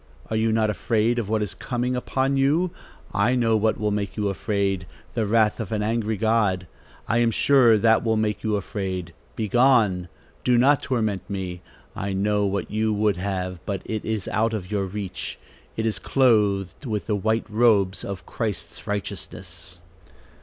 Are you not afraid of what is coming upon you? I know what will make you afraid, the wrath of an angry God. I am sure that will make you afraid. Begone! Do not torment me. I know what you would have; but it is out of your reach; it is clothed with the white robes of Christ's righteousness."